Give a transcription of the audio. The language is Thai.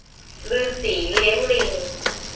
ฤๅษีเลี้ยงลิง